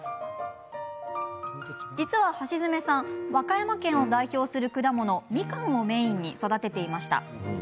実は橋爪さん和歌山県を代表する果物みかんをメインに育てていました。